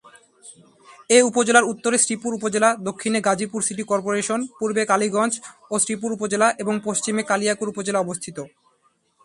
এ উপজেলার উত্তরে শ্রীপুর উপজেলা, দক্ষিণে গাজীপুর সিটি করপোরেশন, পূর্বে কালীগঞ্জ ও শ্রীপুর উপজেলা এবং পশ্চিমে কালিয়াকৈর উপজেলা অবস্থিত।